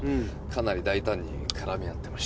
かなり大胆に絡み合ってました。